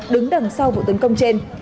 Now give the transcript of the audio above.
đứng đằng sau vụ tấn công trên